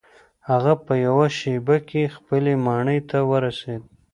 هغه په یوه شیبه کې خپلې ماڼۍ ته ورسید.